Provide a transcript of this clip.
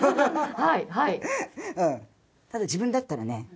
はいただ自分だったらね